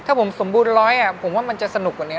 ถ้าผมสมบูรณร้อยผมว่ามันจะสนุกกว่านี้